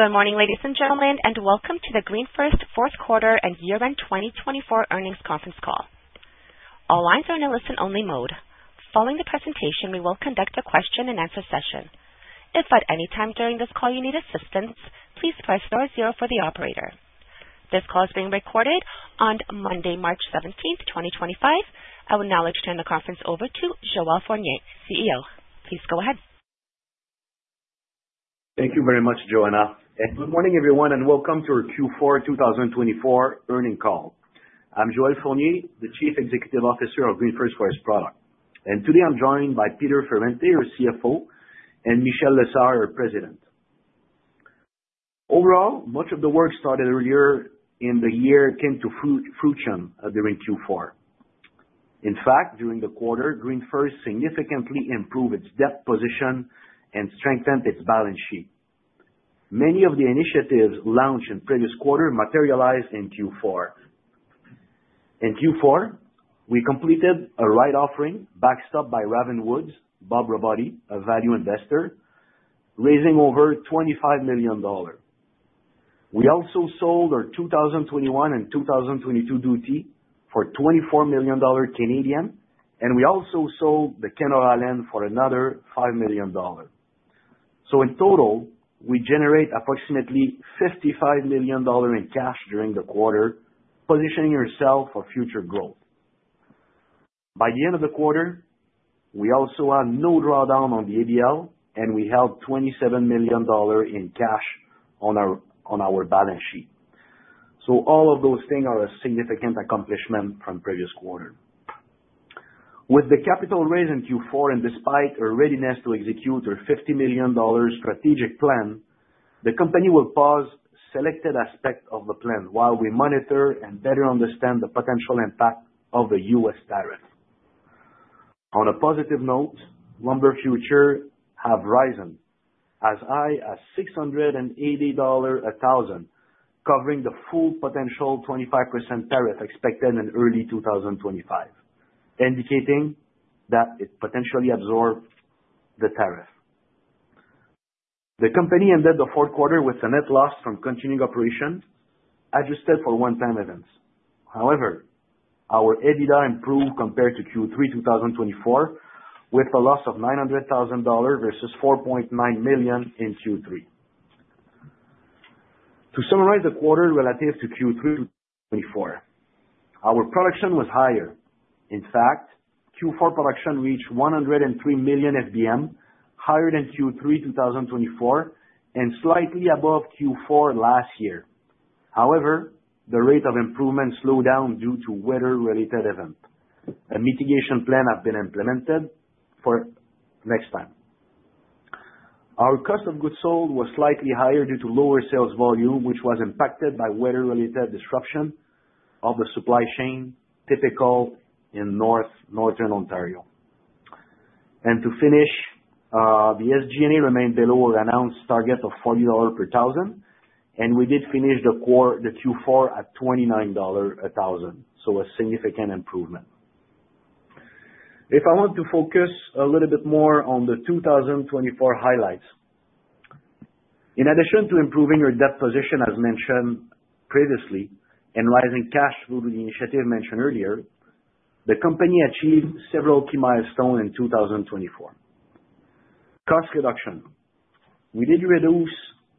Good morning, ladies and gentlemen, and welcome to the GreenFirst Fourth Quarter and Year End 2024 Earnings Conference Call. All lines are in a listen-only mode. Following the presentation, we will conduct a question-and-answer session. If at any time during this call you need assistance, please press star zero for the operator. This call is being recorded on Monday, March 17th, 2025. I will now turn the conference over to Joel Fournier, CEO. Please go ahead. Thank you very much, Joanna. Good morning, everyone, and welcome to our Q4 2024 Earnings Call. I'm Joel Fournier, the Chief Executive Officer of GreenFirst Forest Products. Today I'm joined by Peter Ferrante, our CFO, and Michel Lessard, our President. Overall, much of the work started earlier in the year came to fruition during Q4. In fact, during the quarter, GreenFirst significantly improved its debt position and strengthened its balance sheet. Many of the initiatives launched in the previous quarter materialized in Q4. In Q4, we completed a rights offering backstopped by Ravenwood, Bob Robotti, a value investor, raising over 25 million dollars. We also sold our 2021 and 2022 duties for 24 million Canadian dollars, and we also sold the Kenora land for another 5 million dollars. In total, we generated approximately 55 million dollars in cash during the quarter, positioning ourselves for future growth. By the end of the quarter, we also had no drawdown on the ABL, and we held 27 million dollars in cash on our balance sheet. All of those things are a significant accomplishment from the previous quarter. With the capital raised in Q4 and despite our readiness to execute our 50 million dollars strategic plan, the company will pause selected aspects of the plan while we monitor and better understand the potential impact of the U.S. tariff. On a positive note, lumber futures have risen as high as 680 dollar a thousand, covering the full potential 25% tariff expected in early 2025, indicating that it potentially absorbed the tariff. The company ended the fourth quarter with a net loss from continuing operations, adjusted for one-time events. However, our ABL improved compared to Q3 2024, with a loss of 900,000 dollars versus 4.9 million in Q3. To summarize the quarter relative to Q3 2024, our production was higher. In fact, Q4 production reached 103 million FBM, higher than Q3 2024 and slightly above Q4 last year. However, the rate of improvement slowed down due to weather-related events. A mitigation plan has been implemented for next time. Our cost of goods sold was slightly higher due to lower sales volume, which was impacted by weather-related disruption of the supply chain, typical in Northern Ontario. To finish, the SG&A remained below our announced target of 40 dollars per thousand, and we did finish the Q4 at 29 dollars a thousand, so a significant improvement. If I want to focus a little bit more on the 2024 highlights, in addition to improving our debt position, as mentioned previously, and raising cash through the initiative mentioned earlier, the company achieved several key milestones in 2024. Cost reduction. We did reduce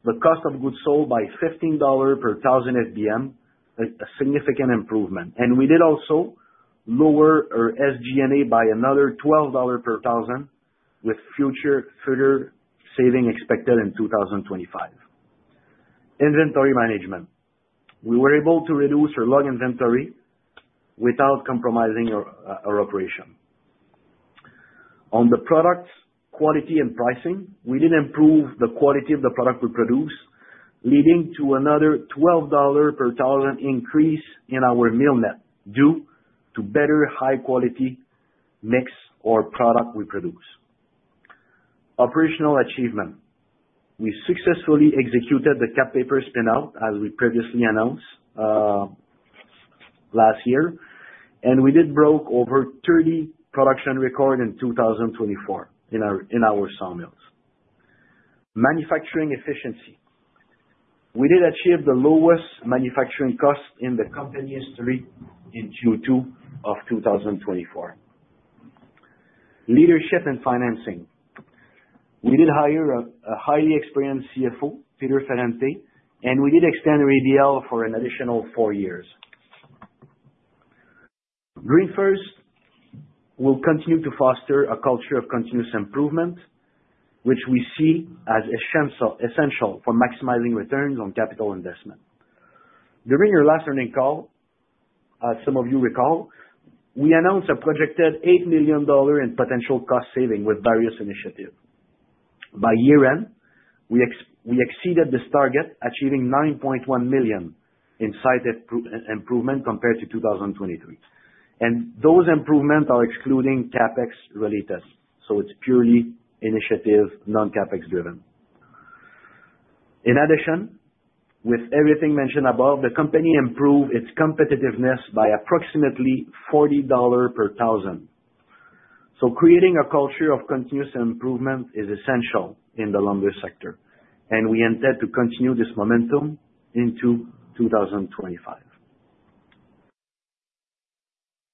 the cost of goods sold by 15 dollars per thousand FBM, a significant improvement. We did also lower our SG&A by another 12 dollars per thousand, with future further saving expected in 2025. Inventory management. We were able to reduce our log inventory without compromising our operation. On the product quality and pricing, we did improve the quality of the product we produce, leading to another 12 dollar per thousand increase in our mill net due to better high-quality mix or product we produce. Operational achievement. We successfully executed the Kap Paper spin-out, as we previously announced last year, and we did broke over 30 production records in 2024 in our sawmills. Manufacturing efficiency. We did achieve the lowest manufacturing cost in the company history in Q2 of 2024. Leadership and financing. We did hire a highly experienced CFO, Peter Ferrante, and we did extend our ABL for an additional four years. GreenFirst will continue to foster a culture of continuous improvement, which we see as essential for maximizing returns on capital investment. During our last earnings call, as some of you recall, we announced a projected 8 million dollar in potential cost saving with various initiatives. By year-end, we exceeded this target, achieving 9.1 million in site improvement compared to 2023. Those improvements are excluding CapEx-related, so it is purely initiative, non-CapEx-driven. In addition, with everything mentioned above, the company improved its competitiveness by approximately 40 dollars per thousand. Creating a culture of continuous improvement is essential in the lumber sector, and we intend to continue this momentum into 2025.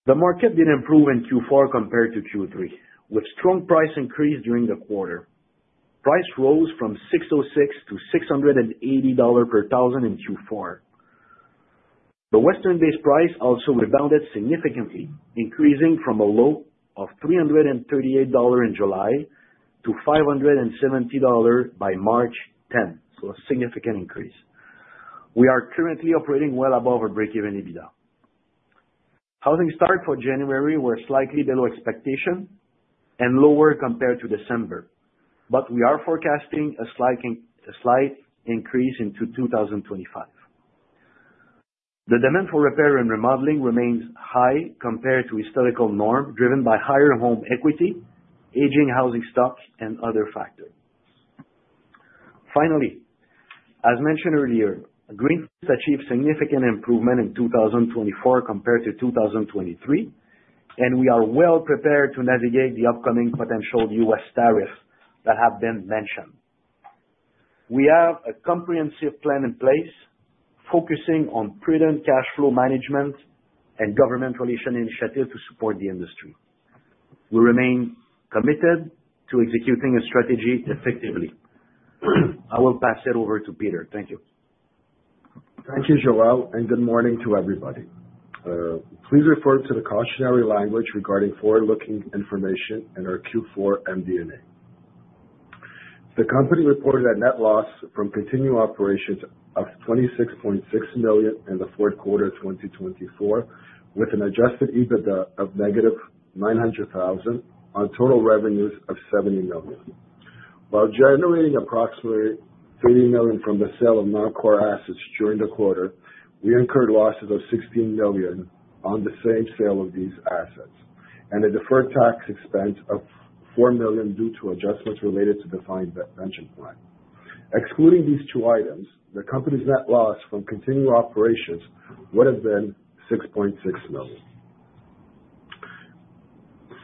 The market did improve in Q4 compared to Q3, with strong price increases during the quarter. Price rose from 606 dollar-CAD680 per thousand in Q4. The Western-based price also rebounded significantly, increasing from a low of 338 dollars in July to 570 dollars by March 10th, so a significant increase. We are currently operating well above our break-even ABL. Housing start for January was slightly below expectation and lower compared to December, but we are forecasting a slight increase into 2025. The demand for repair and remodeling remains high compared to historical norms, driven by higher home equity, aging housing stock, and other factors. Finally, as mentioned earlier, GreenFirst achieved significant improvement in 2024 compared to 2023, and we are well prepared to navigate the upcoming potential U.S. tariffs that have been mentioned. We have a comprehensive plan in place, focusing on prudent cash flow management and government-related initiatives to support the industry. We remain committed to executing a strategy effectively. I will pass it over to Peter. Thank you. Thank you, Joel, and good morning to everybody. Please refer to the cautionary language regarding forward-looking information in our Q4 MD&A. The company reported a net loss from continuing operations of 26.6 million in the fourth quarter of 2024, with an adjusted ABL of negative 900,000 on total revenues of 70 million. While generating approximately 30 million from the sale of non-core assets during the quarter, we incurred losses of 16 million on the same sale of these assets and a deferred tax expense of 4 million due to adjustments related to the defined benefit plan. Excluding these two items, the company's net loss from continuing operations would have been 6.6 million.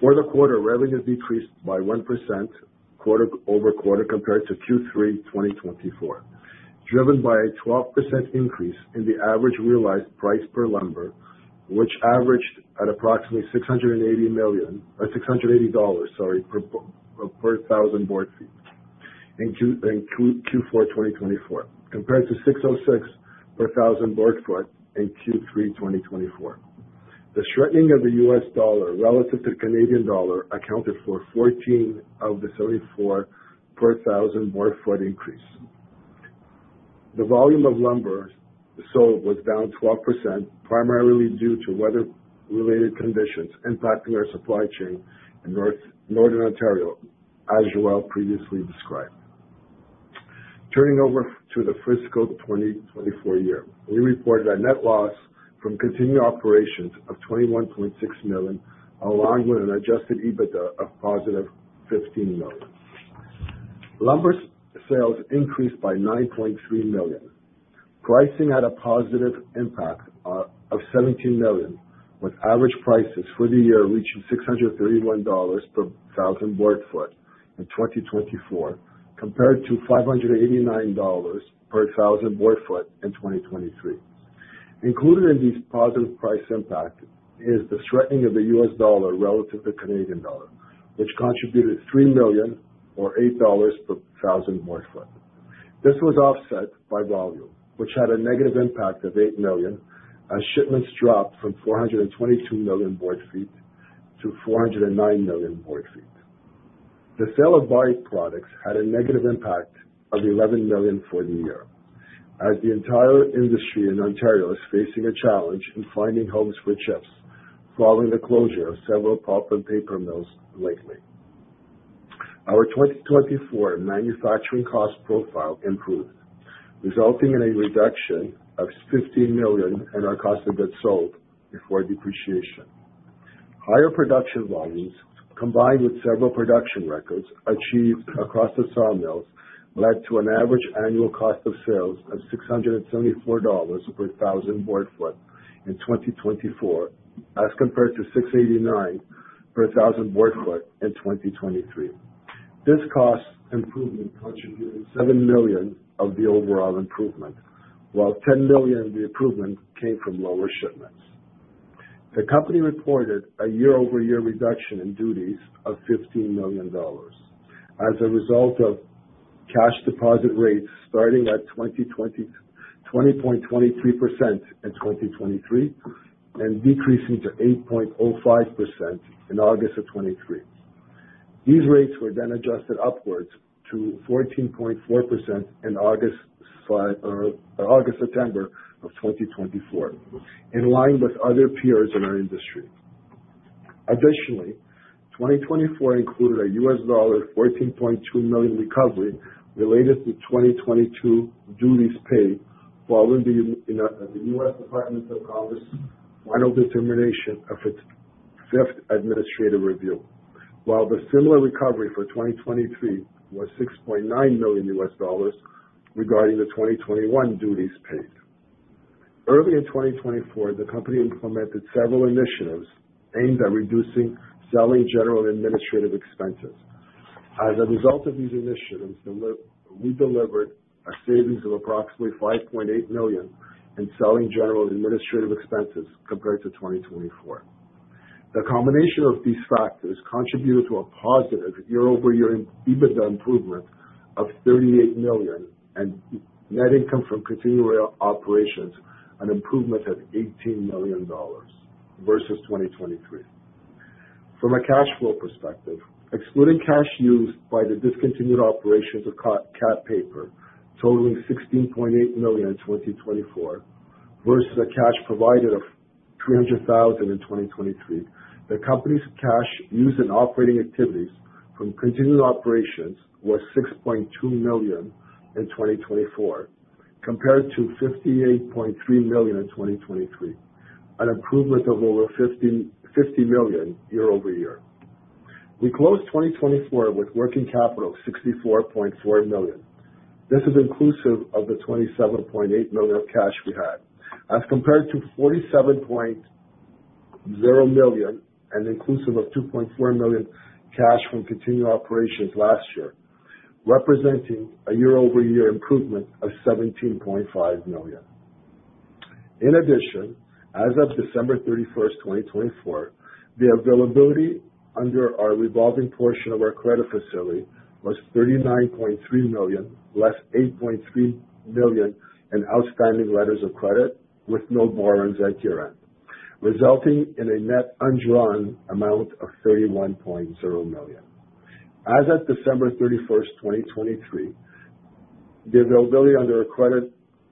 For the quarter, revenue decreased by 1% quarter over quarter compared to Q3 2024, driven by a 12% increase in the average realized price per lumber, which averaged at approximately 680 per thousand board feet in Q4 2024, compared to 606 per thousand board foot in Q3 2024. The softening of the U.S. dollar relative to the Canadian dollar accounted for 14 of the 74 per thousand board foot increase. The volume of lumber sold was down 12%, primarily due to weather-related conditions impacting our supply chain in Northern Ontario, as Joel previously described. Turning over to the fiscal 2024 year, we reported a net loss from continuing operations of 21.6 million, along with an adjusted ABL of positive 15 million. Lumber sales increased by 9.3 million. Pricing had a positive impact of 17 million, with average prices for the year reaching 631 dollars per thousand board foot in 2024, compared to 589 dollars per thousand board foot in 2023. Included in these positive price impacts is the softening of the U.S. dollar relative to the Canadian dollar, which contributed 3 million, or 8 dollars per thousand board foot. This was offset by volume, which had a negative impact of 8 million, as shipments dropped from 422 million board feet to 409 million board feet. The sale of by-products had a negative impact of 11 million for the year, as the entire industry in Ontario is facing a challenge in finding homes for chips following the closure of several pulp and paper mills lately. Our 2024 manufacturing cost profile improved, resulting in a reduction of 15 million in our cost of goods sold before depreciation. Higher production volumes, combined with several production records achieved across the sawmills, led to an average annual cost of sales of 674 dollars per thousand board foot in 2024, as compared to 689 per thousand board foot in 2023. This cost improvement contributed 7 million of the overall improvement, while 10 million of the improvement came from lower shipments. The company reported a year-over-year reduction in duties of 15 million dollars, as a result of cash deposit rates starting at 20.23% in 2023 and decreasing to 8.05% in August of 2023. These rates were then adjusted upwards to 14.4% in September of 2024, in line with other peers in our industry. Additionally, 2024 included a $14.2 million recovery related to 2022 duties paid following the U.S. Department of Commerce final determination of its fifth administrative review, while the similar recovery for 2023 was $6.9 million regarding the 2021 duties paid. Early in 2024, the company implemented several initiatives aimed at reducing selling general administrative expenses. As a result of these initiatives, we delivered savings of approximately 5.8 million in selling general administrative expenses compared to 2023. The combination of these factors contributed to a positive year-over-year ABL improvement of 38 million and net income from continuing operations an improvement of 18 million dollars versus 2023. From a cash flow perspective, excluding cash used by the discontinued operations of Kap Paper totaling 16.8 million in 2024 versus a cash provided of 300,000 in 2023, the company's cash used in operating activities from continuing operations was 6.2 million in 2024, compared to 58.3 million in 2023, an improvement of over 50 million year-over-year. We closed 2024 with working capital of 64.4 million. This is inclusive of the 27.8 million of cash we had, as compared to 47.0 million and inclusive of 2.4 million cash from continuing operations last year, representing a year-over-year improvement of 17.5 million. In addition, as of December 31, 2024, the availability under our revolving portion of our credit facility was 39.3 million, less 8.3 million in outstanding letters of credit, with no borrowings at year-end, resulting in a net undrawn amount of 31.0 million. As of December 31st, 2023, the availability under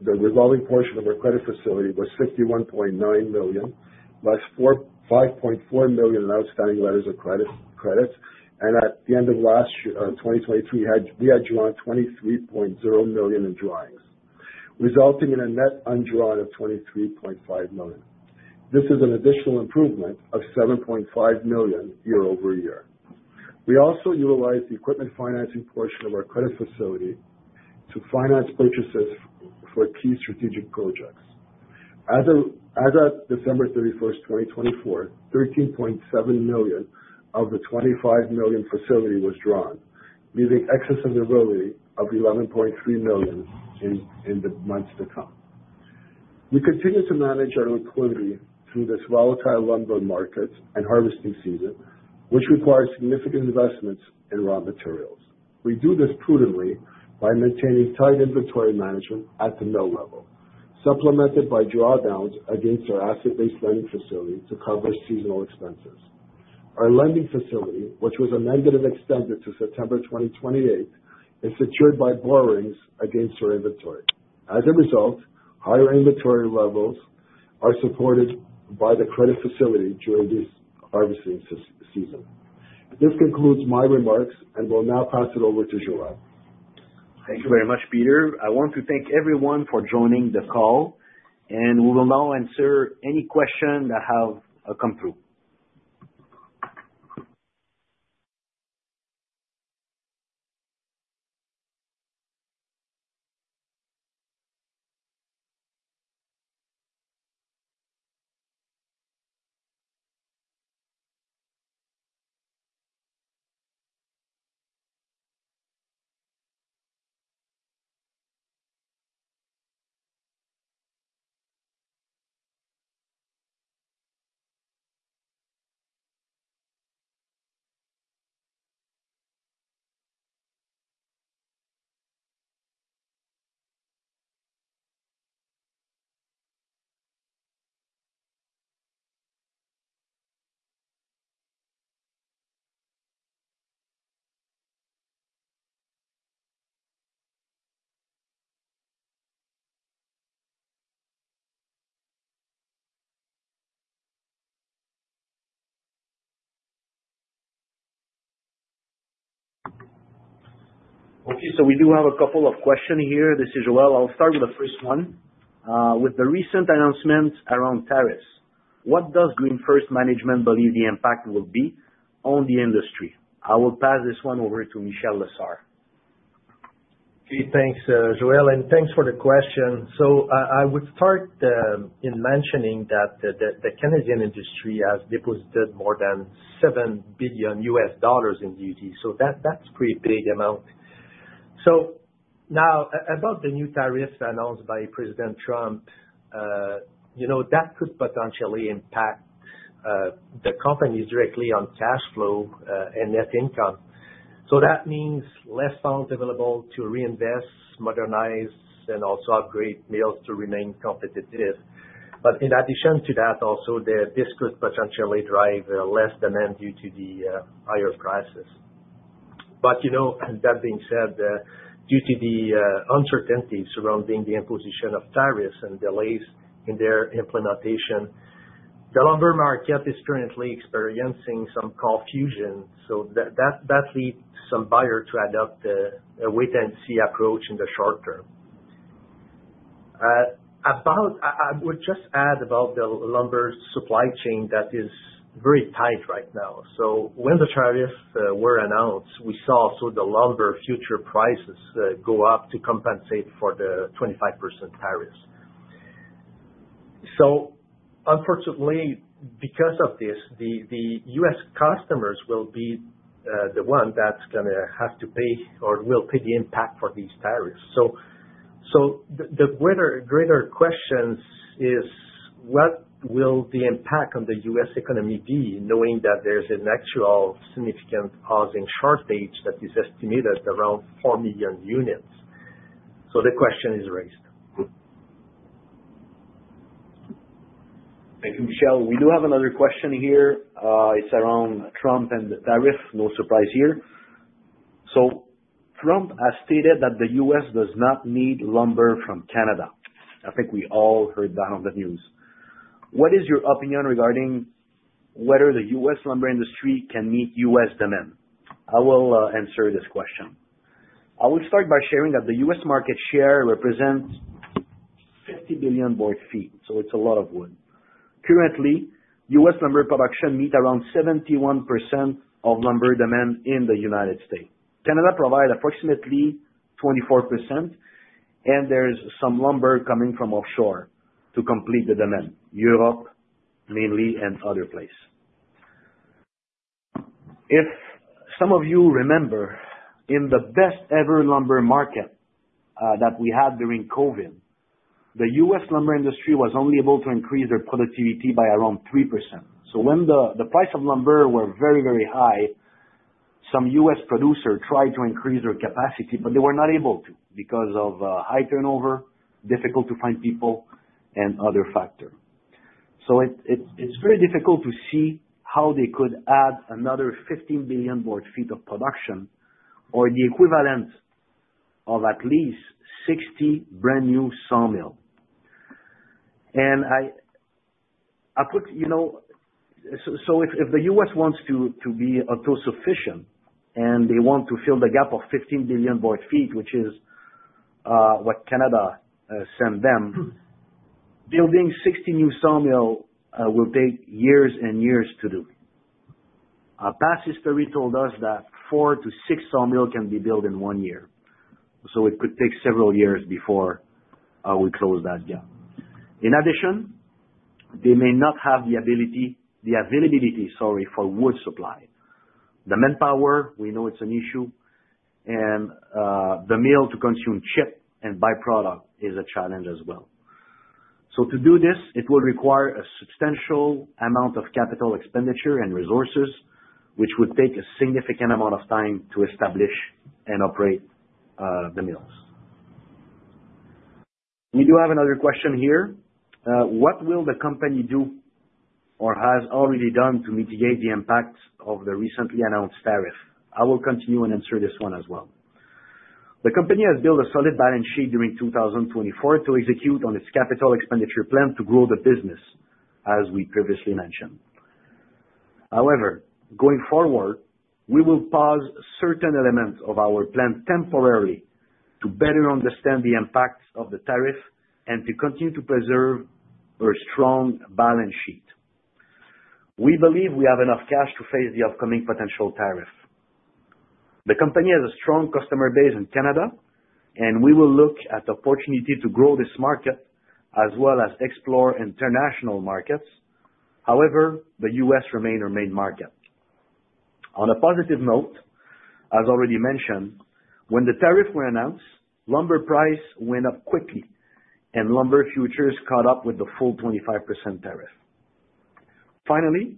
the revolving portion of our credit facility was 61.9 million, less 5.4 million in outstanding letters of credit, and at the end of last year 2023, we had drawn 23.0 million in drawings, resulting in a net undrawn of 23.5 million. This is an additional improvement of 7.5 million year-over-year. We also utilized the equipment financing portion of our credit facility to finance purchases for key strategic projects. As of December 31st, 2024, 13.7 million of the 25 million facility was drawn, leaving excess availability of 11.3 million in the months to come. We continue to manage our liquidity through this volatile lumber market and harvesting season, which requires significant investments in raw materials. We do this prudently by maintaining tight inventory management at the mill level, supplemented by drawdowns against our asset-based lending facility to cover seasonal expenses. Our lending facility, which was amended and extended to September 2028, is secured by borrowings against our inventory. As a result, higher inventory levels are supported by the credit facility during this harvesting season. This concludes my remarks and will now pass it over to Joel. Thank you very much, Peter. I want to thank everyone for joining the call, and we will now answer any questions that have come through. Okay, we do have a couple of questions here. This is Joel. I'll start with the first one. With the recent announcements around tariffs, what does GreenFirst Management believe the impact will be on the industry? I will pass this one over to Michel Lessard. Okay, thanks, Joel, and thanks for the question. I would start in mentioning that the Canadian industry has deposited more than $7 billion in duties, so that's a pretty big amount. Now, about the new tariffs announced by President Trump, you know that could potentially impact the companies directly on cash flow and net income. That means less funds available to reinvest, modernize, and also upgrade mills to remain competitive. In addition to that, also, this could potentially drive less demand due to the higher prices. You know, that being said, due to the uncertainties surrounding the imposition of tariffs and delays in their implementation, the lumber market is currently experiencing some confusion, so that leads some buyers to adopt a wait-and-see approach in the short term. I would just add about the lumber supply chain that is very tight right now. When the tariffs were announced, we saw the lumber future prices go up to compensate for the 25% tariffs. Unfortunately, because of this, the U.S. customers will be the ones that's going to have to pay or will pay the impact for these tariffs. The greater question is, what will the impact on the U.S. economy be, knowing that there's an actual significant housing shortage that is estimated at around 4 million units? The question is raised. Thank you, Michel. We do have another question here. It's around Trump and the tariff, no surprise here. Trump has stated that the US does not need lumber from Canada. I think we all heard that on the news. What is your opinion regarding whether the U.S. lumber industry can meet U.S. demand? I will answer this question. I will start by sharing that the U.S. market share represents 50 billion board feet, so it's a lot of wood. Currently, U.S. lumber production meets around 71% of lumber demand in the United States. Canada provides approximately 24%, and there's some lumber coming from offshore to complete the demand, Europe mainly and other places. If some of you remember, in the best-ever lumber market that we had during COVID, the U.S. lumber industry was only able to increase their productivity by around 3%. When the price of lumber was very, very high, some U.S. producers tried to increase their capacity, but they were not able to because of high turnover, difficult to find people, and other factors. It is very difficult to see how they could add another 15 billion board feet of production or the equivalent of at least 60 brand-new sawmills. I put, you know, if the U.S. wants to be autosufficient and they want to fill the gap of 15 billion board feet, which is what Canada sent them, building 60 new sawmills will take years and years to do. Our past history told us that four to six sawmills can be built in one year, so it could take several years before we close that gap. In addition, they may not have the ability, the availability, sorry, for wood supply. The manpower, we know it's an issue, and the mill to consume chip and byproduct is a challenge as well. To do this, it will require a substantial amount of capital expenditure and resources, which would take a significant amount of time to establish and operate the mills. We do have another question here. What will the company do or has already done to mitigate the impact of the recently announced tariff? I will continue and answer this one as well. The company has built a solid balance sheet during 2024 to execute on its capital expenditure plan to grow the business, as we previously mentioned. However, going forward, we will pause certain elements of our plan temporarily to better understand the impact of the tariff and to continue to preserve our strong balance sheet. We believe we have enough cash to face the upcoming potential tariff. The company has a strong customer base in Canada, and we will look at the opportunity to grow this market as well as explore international markets. However, the U.S. remains our main market. On a positive note, as already mentioned, when the tariffs were announced, lumber prices went up quickly, and lumber futures caught up with the full 25% tariff. Finally,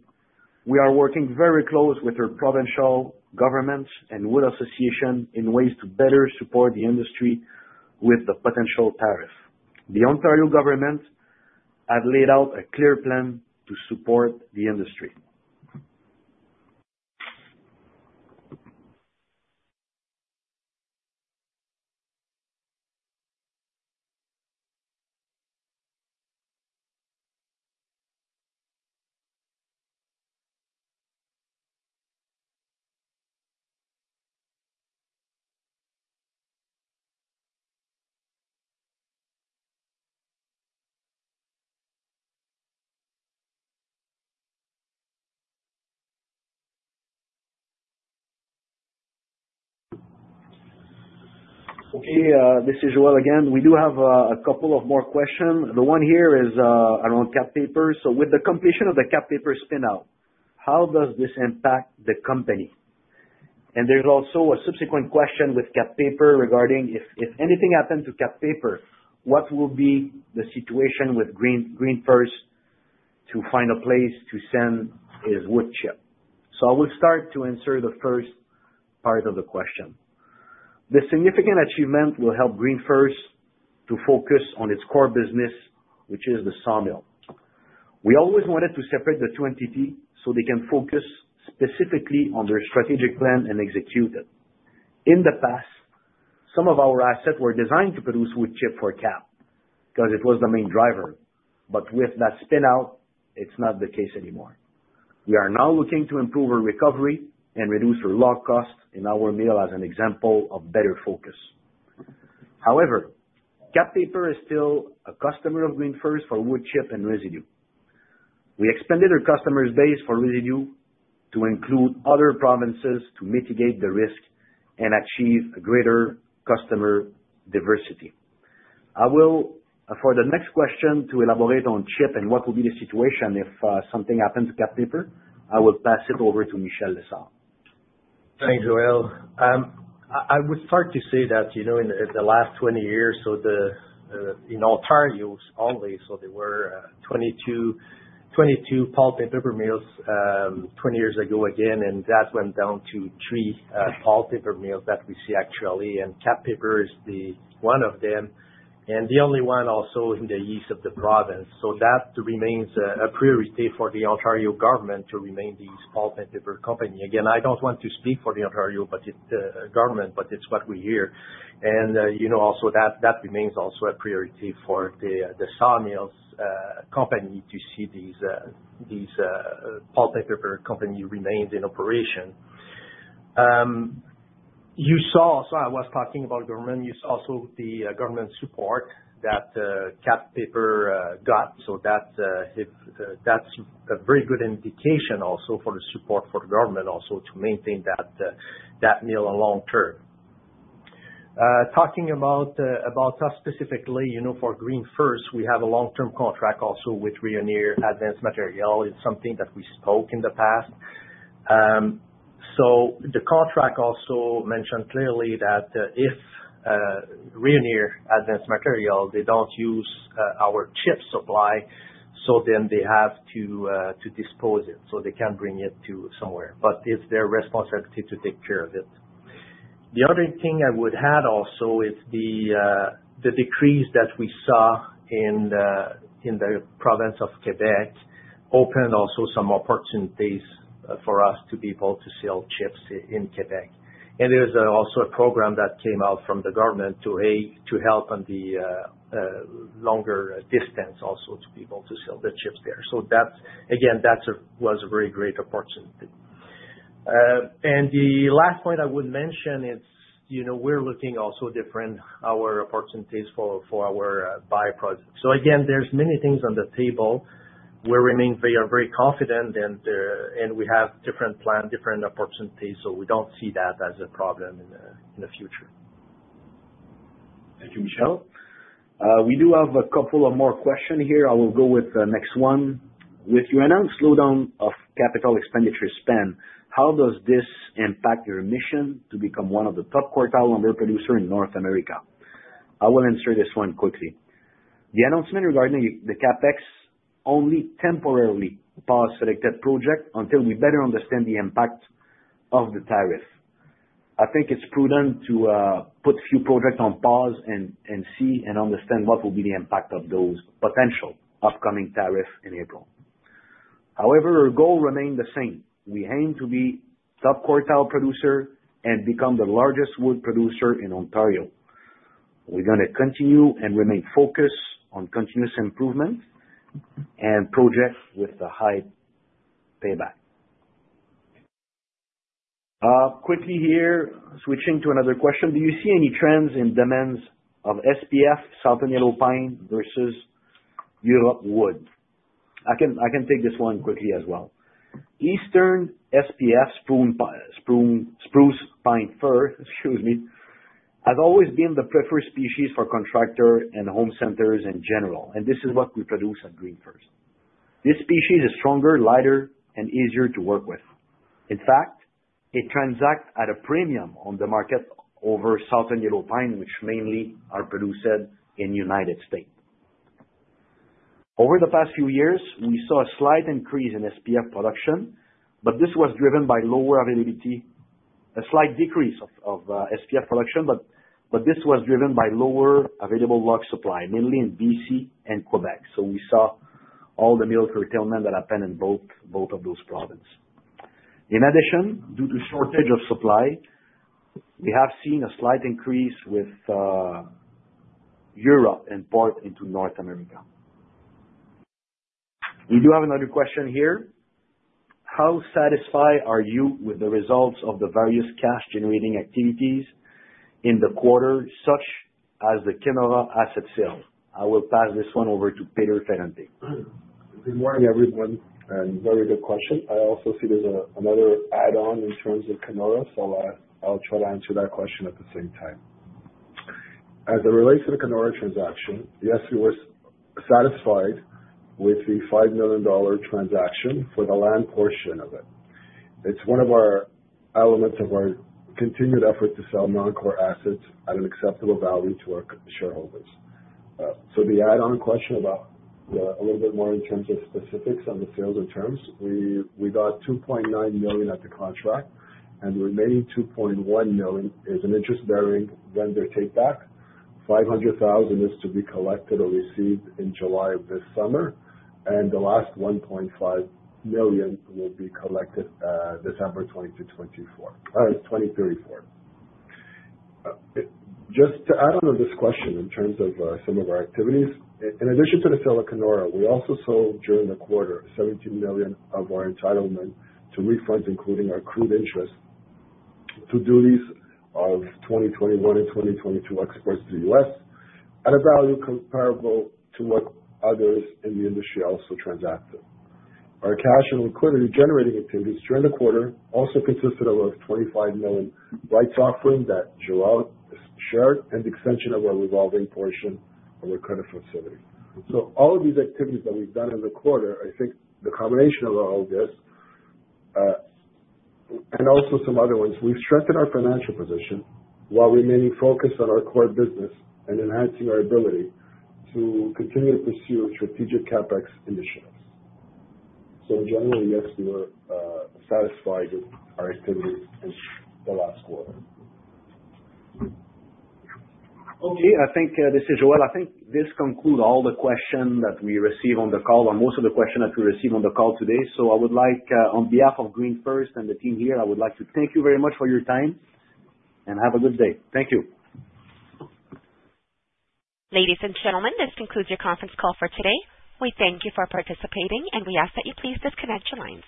we are working very close with our provincial governments and wood associations in ways to better support the industry with the potential tariff. The Ontario government has laid out a clear plan to support the industry. Okay, this is Joel again. We do have a couple of more questions. The one here is around Kap Paper. So with the completion of the Kap Paper spinout, how does this impact the company? There is also a subsequent question with Kap Paper regarding if anything happens to Kap Paper, what will be the situation with GreenFirst to find a place to send its wood chip? I will start to answer the first part of the question. The significant achievement will help GreenFirst to focus on its core business, which is the sawmill. We always wanted to separate the two entities so they can focus specifically on their strategic plan and execute it. In the past, some of our assets were designed to produce wood chip for Kap because it was the main driver, but with that spinout, it is not the case anymore. We are now looking to improve our recovery and reduce our log cost in our mill as an example of better focus. However, Kap Paper is still a customer of GreenFirst for wood chip and residue. We expanded our customer base for residue to include other provinces to mitigate the risk and achieve greater customer diversity. I will, for the next question, to elaborate on chip and what will be the situation if something happens to Kap Paper, I will pass it over to Michel Lessard. Thanks, Joel. I would start to say that, you know, in the last 20 years, so in Ontario always, so there were 22 pulp and paper mills 20 years ago again, and that went down to three pulp paper mills that we see actually, and Kap Paper is one of them, and the only one also in the east of the province. That remains a priority for the Ontario government to remain the pulp and paper company. Again, I do not want to speak for the Ontario government, but it is what we hear. You know, also that remains also a priority for the sawmills company to see these pulp and paper companies remain in operation. You saw, I was talking about government, you saw also the government support that Kap Paper got, so that's a very good indication also for the support for the government also to maintain that mill on long term. Talking about us specifically, you know, for GreenFirst, we have a long-term contract also with Resolute Forest Products. It's something that we spoke about in the past. The contract also mentioned clearly that if Resolute Forest Products, they do not use our chip supply, then they have to dispose of it so they cannot bring it somewhere, but it is their responsibility to take care of it. The other thing I would add also is the decrease that we saw in the province of Quebec opened also some opportunities for us to be able to sell chips in Quebec. There is also a program that came out from the government to help on the longer distance also to be able to sell the chips there. That was a very great opportunity. The last point I would mention is, you know, we're looking also at different opportunities for our byproducts. There are many things on the table. We remain very, very confident, and we have different plans, different opportunities, so we do not see that as a problem in the future. Thank you, Michel. We do have a couple of more questions here. I will go with the next one. With your announced slowdown of capital expenditure span, how does this impact your mission to become one of the top quartile lumber producers in North America? I will answer this one quickly. The announcement regarding the CapEx only temporarily paused selected projects until we better understand the impact of the tariff. I think it's prudent to put a few projects on pause and see and understand what will be the impact of those potential upcoming tariffs in April. However, our goal remains the same. We aim to be a top quartile producer and become the largest wood producer in Ontario. We're going to continue and remain focused on continuous improvement and projects with a high payback. Quickly here, switching to another question. Do you see any trends in demands of SPF, Southern Yellow Pine, versus Europe wood? I can take this one quickly as well. Eastern SPF, spruce-pine-fir, excuse me, has always been the preferred species for contractors and home centers in general, and this is what we produce at GreenFirst. This species is stronger, lighter, and easier to work with. In fact, it transacts at a premium on the market over Southern Yellow Pine, which mainly are produced in the United States. Over the past few years, we saw a slight decrease of SPF production, but this was driven by lower available log supply, mainly in British Columbia and Quebec. We saw all the mill curtailment that happened in both of those provinces. In addition, due to shortage of supply, we have seen a slight increase with Europe importing into North America. We do have another question here. How satisfied are you with the results of the various cash-generating activities in the quarter, such as the Kenora asset sale? I will pass this one over to Peter Ferrante. Good morning, everyone, and very good question. I also see there's another add-on in terms of Kenora, so I'll try to answer that question at the same time. As it relates to the Kenora transaction, yes, we were satisfied with the 5 million dollar transaction for the land portion of it. It's one of our elements of our continued effort to sell non-core assets at an acceptable value to our shareholders. The add-on question about a little bit more in terms of specifics on the sales and terms, we got 2.9 million at the contract, and the remaining 2.1 million is an interest-bearing vendor take-back. 500,000 is to be collected or received in July of this summer, and the last 1.5 million will be collected December 2024, or 2034. Just to add on to this question in terms of some of our activities, in addition to the sale of Kenora, we also sold during the quarter 17 million of our entitlement to refunds, including our accrued interest to duties of 2021 and 2022 exports to the U.S. at a value comparable to what others in the industry also transacted. Our cash and liquidity-generating activities during the quarter also consisted of a 25 million rights offering that Joel shared and the extension of our revolving portion of our credit facility. All of these activities that we've done in the quarter, I think the combination of all of this, and also some other ones, we've strengthened our financial position while remaining focused on our core business and enhancing our ability to continue to pursue strategic CapEx initiatives. In general, yes, we were satisfied with our activities in the last quarter. Okay, I think this is Joel. I think this concludes all the questions that we received on the call, or most of the questions that we received on the call today. I would like, on behalf of GreenFirst and the team here, I would like to thank you very much for your time and have a good day. Thank you. Ladies and gentlemen, this concludes your conference call for today. We thank you for participating, and we ask that you please disconnect your lines.